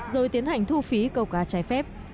rồi tiến hành thu phí câu cá trái phép